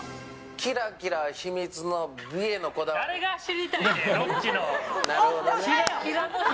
キラキラの秘密美へのこだわり？